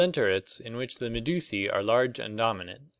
Ccelen terates in which the medusae are large and dominant.